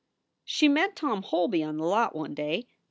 She met Tom Holby on the lot one day.